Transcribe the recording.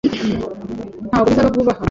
Ntabwo bizaba vuba aha.